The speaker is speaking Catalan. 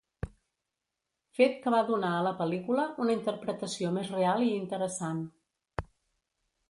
Fet que va donar a la pel·lícula una interpretació més real i interessant.